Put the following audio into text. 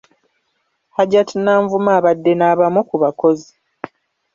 Hajat Nanvuma abadde n’abamu ku bakozi.